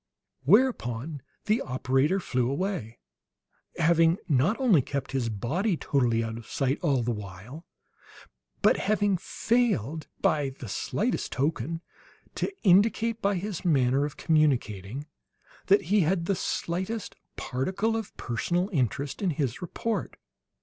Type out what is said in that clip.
Whereupon the operator flew away, having not only kept his body totally out of sight all the while, but having failed by the slightest token to indicate, by his manner of communicating that he had the slightest particle of personal interest in his report.